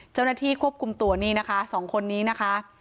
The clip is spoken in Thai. เจ้าหน้าที่ควบคุมตัวนี่นะคะ๒คนนี้นะคะ